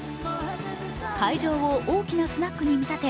会場を大きなスナックに見立て